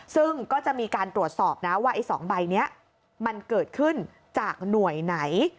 ซึ่งก็จะมีการตรวจสอบนะว่าไอ้๒ใบนี้มันเกิดขึ้นจากหน่วยไหน